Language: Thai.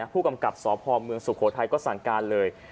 ผู้กำกับสพเมืองสุโขทัยก็สั่งการเลย